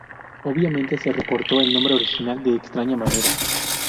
Obviamente se recortó el nombre original de extraña manera.